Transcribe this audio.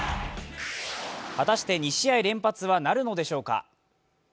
果たして２試合連発はなるのでしょうか。